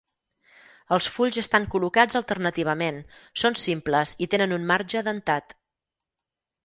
Els fulls estan col·locats alternativament, són simples i tenen un marge dentat.